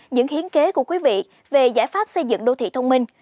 những hiến kế của quý vị về giải pháp xây dựng đô thị thông minh